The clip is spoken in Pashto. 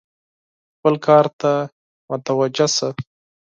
خپل کار ته متوجه شه !